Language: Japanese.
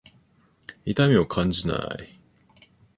痛みを感じない。